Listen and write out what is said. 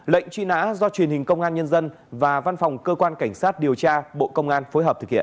lệnh truy nã do truyền hình công an nhân dân và văn phòng cơ quan cảnh sát điều tra bộ công an phối hợp thực hiện